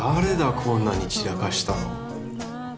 こんなに散らかしたの。